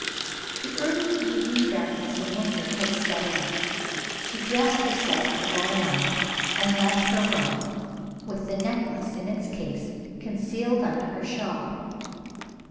The early evening darkness of winter had set in. She dressed herself for going out, and left her room, with the necklace in its case, concealed under her shawl.